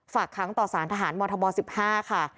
ค้างต่อสารทหารมธบ๑๕ค่ะ